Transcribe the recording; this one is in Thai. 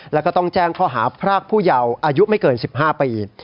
แล้วก็ต้องแจ้งข้อหาพรากผู้เยาว์อายุไม่เกิน๑๕ปี